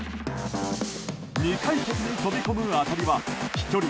２階席に飛び込む当たりは飛距離